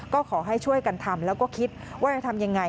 ก็ขอให้ช่วยกันทำแล้วก็คิดว่าจะทำยังไง